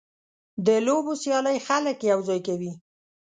د لوبو سیالۍ خلک یوځای کوي.